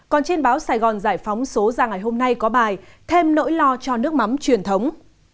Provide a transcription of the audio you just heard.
còn trên báo sài gòn giải phóng số ra ngày hôm nay có bài thêm nỗi lo cho nước mắm truyền thống